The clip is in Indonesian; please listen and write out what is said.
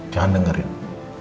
jangan dengerin riki